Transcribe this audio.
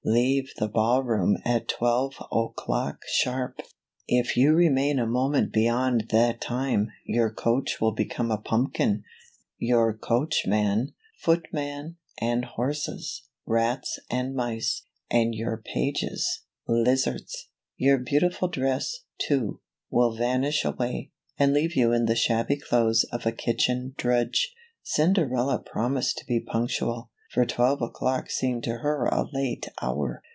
Leave the ball room at twelve o'clock sharp ! CINDERELLA , OR THE LITTLE GLASS SLIPPER. If you remain a moment beyond that time, your coach will become a pumpkin, your coachman, footman, and horses, rats and mice, and your pages, lizards. Your beautiful dress, too, will vanish away, and leave you in the shabby clothes of a kitchen drudge." Cinderella promised to be punctual, for twelve o'clock seemed to her a late hour.